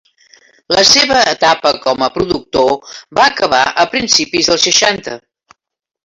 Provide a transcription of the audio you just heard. La seva etapa com a productor va acabar a principis dels seixanta.